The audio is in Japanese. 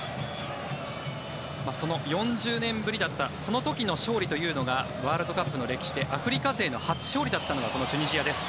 その４０年ぶりだったその時の勝利というのがワールドカップの歴史でアフリカ勢の初勝利だったのがこのチュニジアです。